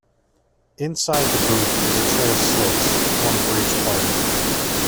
Inside the booth is a tray of slips, one for each party.